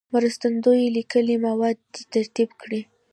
مرستندوی لیکلي مواد دې ترتیب کړي.